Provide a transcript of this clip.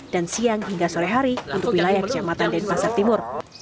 dan siang hingga sore hari untuk wilayah kecamatan denpasar timur